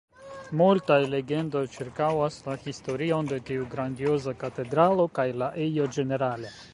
Multaj legendoj ĉirkaŭas la historion de tiu grandioza katedralo, kaj la ejo ĝenerale.